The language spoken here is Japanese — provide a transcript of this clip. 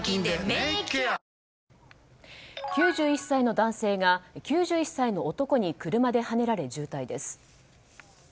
９１歳の男性が９１歳の男に車ではねられ重体です。